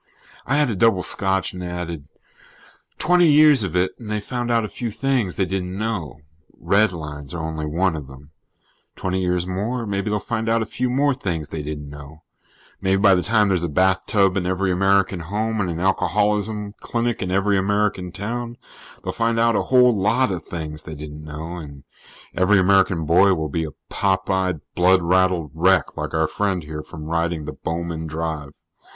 I had a double scotch and added: "Twenty years of it and they found out a few things they didn't know. Redlines are only one of them. Twenty years more, maybe they'll find out a few more things they didn't know. Maybe by the time there's a bathtub in every American home and an alcoholism clinic in every American town, they'll find out a whole lot of things they didn't know. And every American boy will be a pop eyed, blood raddled wreck, like our friend here, from riding the Bowman Drive."